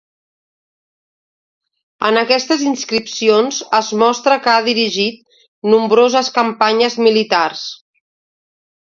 En aquestes inscripcions es mostra que ha dirigit nombroses campanyes militars.